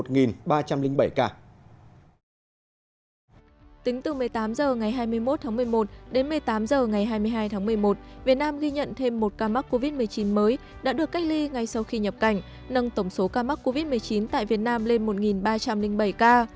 tính từ một mươi tám h ngày hai mươi một tháng một mươi một đến một mươi tám h ngày hai mươi hai tháng một mươi một việt nam ghi nhận thêm một ca mắc covid một mươi chín mới đã được cách ly ngay sau khi nhập cảnh nâng tổng số ca mắc covid một mươi chín tại việt nam lên một ba trăm linh bảy ca